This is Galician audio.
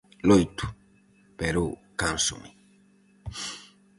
Loito, pero cánsome.